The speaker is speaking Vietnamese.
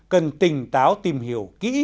cần tỉnh táo tìm hiểu kỹ